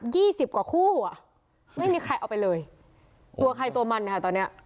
สิบกว่าคู่อ่ะไม่มีใครเอาไปเลยตัวใครตัวมันค่ะตอนเนี้ย